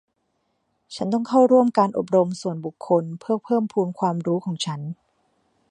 ฉันต้องเข้าร่วมการอบรมส่วนบุคคลเพื่อเพิ่มพูนความรู้ของฉัน